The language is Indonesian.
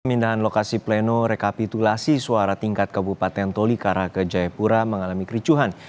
pemindahan lokasi pleno rekapitulasi suara tingkat kabupaten tolikara ke jayapura mengalami kericuhan